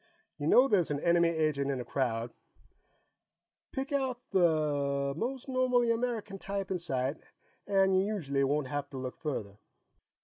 You know there's an enemy agent in a crowd, pick out the most normally American type in sight and you usually won't have to look further."